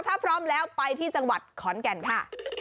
ถ้าพร้อมแล้วไปที่จังหวัดขอนแก่นค่ะ